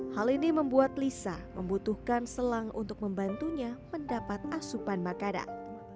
hal ini membuat lisa membutuhkan selang untuk membantunya mendapat asupan makanan